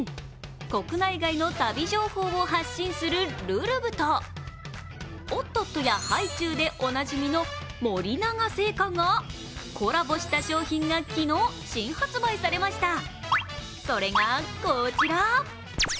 国内外の旅情報を発信する「るるぶ」とおっとっとやハイチュウでおなじみの森永製菓がコラボした商品が昨日、新発売されましたそれがこちら。